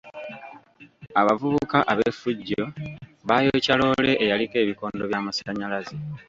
Abavubuka ab'effujjo baayokya loore eyaliko ebikondo by'amasannyalaze.